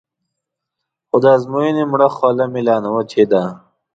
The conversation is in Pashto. خو د ازموینې مړه خوله مې لا نه وچېده.